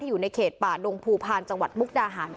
อยู่ในเขตป่าดงภูพาลจังหวัดมุกดาหาร